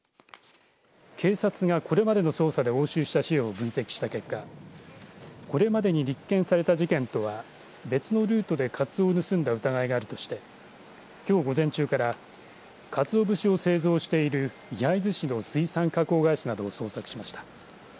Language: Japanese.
警察がこれまでの捜査で押収した資料を分析した結果、これまでに立件された事件とは別のルートでカツオを盗んだ疑いがあるとしてきょう午前中からかつお節を製造している焼津市の水産加工会社などを捜索しました。